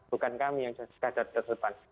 bukan kami yang jadi garda terdepan